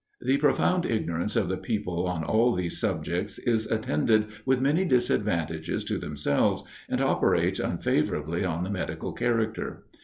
The profound ignorance of the people on all these subjects, is attended with many disadvantages to themselves, and operates unfavorably on the medical character.